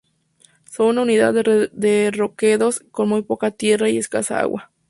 Son una unidad de roquedos con muy poca tierra y escasa agua.